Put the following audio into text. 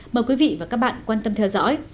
mời quý vị và các bạn quan tâm theo dõi